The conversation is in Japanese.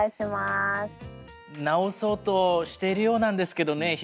直そうとしているようなんですけどね。